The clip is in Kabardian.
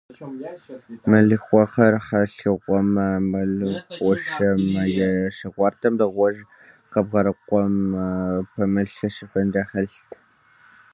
Мэлыхъуэхьэр хьэлъэӏуэмэ, мэл хъушэм е шы гуартэм дыгъужь къебгъэрыкӀуэм, пэмылъэщыфынри хэлът.